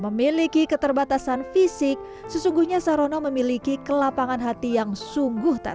memiliki keterbatasan fisik sesungguhnya sarono memiliki kelapangan hati yang sungguh tak